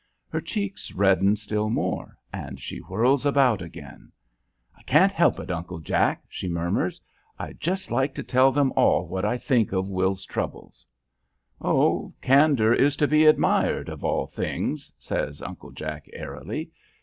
Her cheeks redden still more, and she whirls about again. "I can't help it, Uncle Jack," she murmurs. "I'd just like to tell them all what I think of Will's troubles." "Oh! Candor is to be admired of all things," says Uncle Jack, airily.